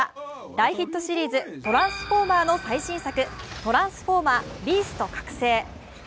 大ヒットシリーズ「トランスフォーマー」の最新作「トランスフォーマー／ビースト覚醒」。